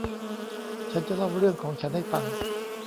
ฉันจะเล่าเรื่องของฉันให้ฟัง